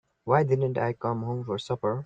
Why didn't I come home for supper?